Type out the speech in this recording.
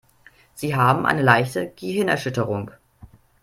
Sie haben eine leichte Gehirnerschütterung.